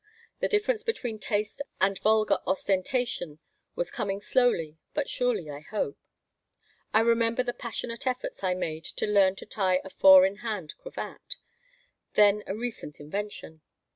The difference between taste and vulgar ostentation was coming slowly, but surely, I hope. I remember the passionate efforts I made to learn to tie a four in hand cravat, then a recent invention.